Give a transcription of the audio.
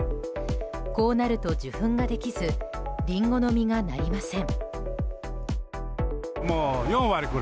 こうなると受粉ができずリンゴの実がなりません。